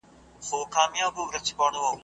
او کلمات یې په غوږونو کي شرنګی کوي .